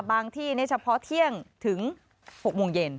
ที่เฉพาะเที่ยงถึง๖โมงเย็น